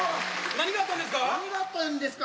「何があったんですか？」